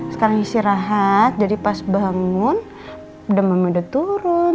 sekarang isi rahat jadi pas bangun udah mami udah turun